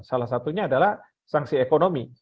salah satunya adalah sanksi ekonomi